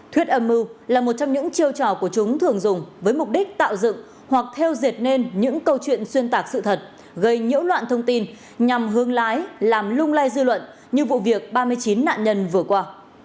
thuyết âm mưu là một trong những chiêu trò của chúng thường dùng với mục đích tạo dựng hoặc theo diệt nên những câu chuyện xuyên tạc sự thật gây nhiễu loạn thông tin nhằm hương lái làm lung lay dư luận như vụ việc ba mươi chín nạn nhân vừa qua